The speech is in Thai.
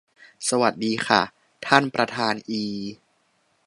สวัสดีค่ะ ท่านประธานอี